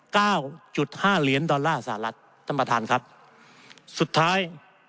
เก้าจุดห้าเหรียญดอลลาร์สหรัฐท่านประธานครับสุดท้าย